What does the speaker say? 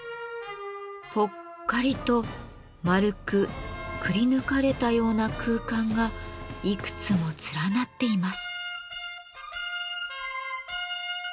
ぽっかりと丸くくりぬかれたような空間がいくつも連なっています。